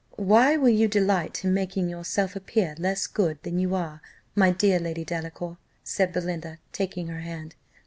"Why will you delight in making yourself appear less good than you are, my dear Lady Delacour?" said Belinda, taking her hand.